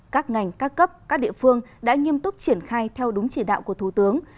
các ngành các cấp các địa phương đã nghiêm túc triển khai theo đúng chỉ đạo của thủ tướng